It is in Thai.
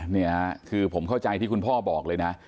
นี่คือผมเข้าใจที่คุณพ่อบอกเลยนะ